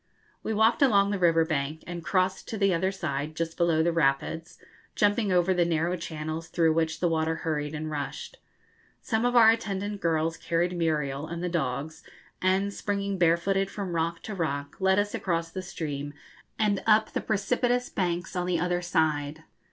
We walked along the river bank, and crossed to the other side just below the rapids, jumping over the narrow channels through which the water hurried and rushed. Some of our attendant girls carried Muriel and the dogs, and, springing barefooted from rock to rock, led us across the stream and up the precipitous banks on the other side.